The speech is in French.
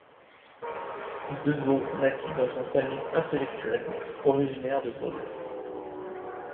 Devaux naquit dans une famille intellectuelle, originaire de Bruges.